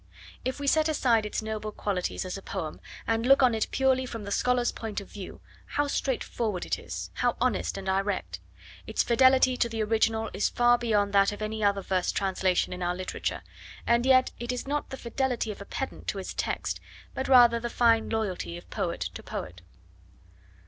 If we set aside its noble qualities as a poem and look on it purely from the scholar's point of view, how straightforward it is, how honest and direct! Its fidelity to the original is far beyond that of any other verse translation in our literature, and yet it is not the fidelity of a pedant to his text but rather the fine loyalty of poet to poet.